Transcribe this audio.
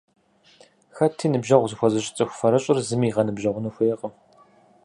Хэти «ныбжьэгъу» зыхуэзыщӀ цӀыху фэрыщӀыр зыми игъэныбжьэгъуну хуейкъым.